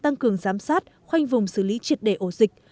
tăng cường giám sát khoanh vùng xử lý triệt đề ổ dịch